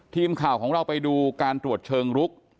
ทีมข่าวของเราไปดูการตรวจเชิงลุก